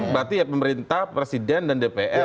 berarti ya pemerintah presiden dan dpr